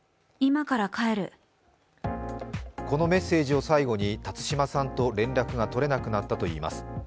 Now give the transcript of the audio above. このメッセージを最後に辰島さんと連絡が取れなくなったといいます。